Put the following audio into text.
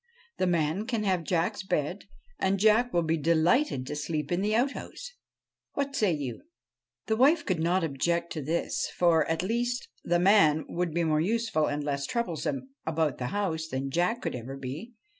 The man can have Jack's bed, and Jack will be delighted to sleep in the outhouse. What say you ?' The wife could not object to this, for, at least, the man would be more useful and less troublesome about the house than Jack could ever be.